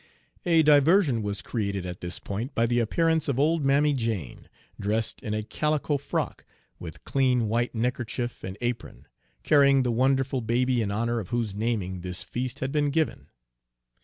A diversion was created at this point by the appearance of old Mammy Jane, dressed in a calico frock, with clean white neckerchief and apron, carrying the wonderful baby in honor of whose naming this feast had been given.